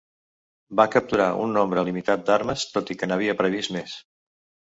Van capturar un nombre limitat d'armes, tot i que n'havien previst més.